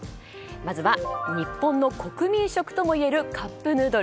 まずは日本の国民食ともいえるカップヌードル。